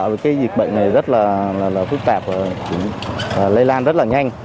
vì cái việc bệnh này rất là phức tạp và lây lan rất là nhanh